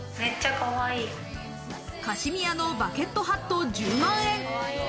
カシミヤのバケットハット１０万円。